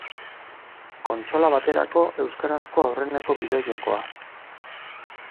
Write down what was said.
Kontsola baterako euskarazko aurreneko bideo-jokoa.